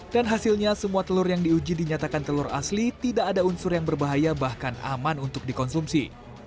dan hasilnya semua telur yang diuji dinyatakan telur asli tidak ada unsur yang berbahaya bahkan aman untuk dikonsumsi